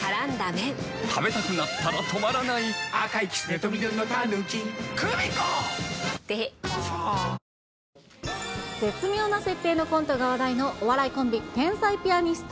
そんなお２人なんですが、絶妙な設定のコントが話題のお笑いコンビ、天才ピアニスト。